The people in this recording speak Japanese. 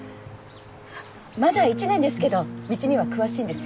まだ１年ですけど道には詳しいんですよ。